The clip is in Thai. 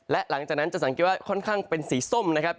และหลังจากนั้นจะสังเกตว่าค่อนข้างเป็นสีส้มนะครับ